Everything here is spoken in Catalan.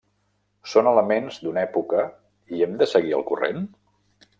Són elements d'una època i hem de seguir el corrent?